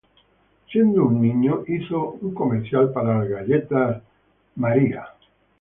Siendo un niño, hizo un comercial para las galletas "Duncan Hines".